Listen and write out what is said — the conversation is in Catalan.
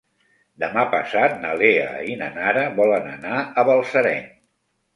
Demà passat na Lea i na Nara volen anar a Balsareny.